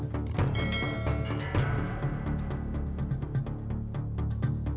kok baunya hilang ya